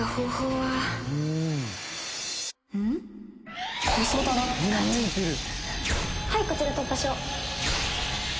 はいこちら突破署。